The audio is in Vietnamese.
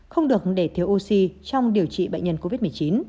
không được để thiếu oxy trong điều trị bệnh nhân covid một mươi chín